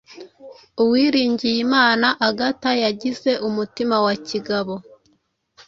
Uwilingiyimana Agata yagize umutima wa kigabo